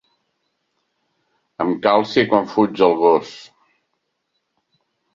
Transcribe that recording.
Em calci quan fuig el gos.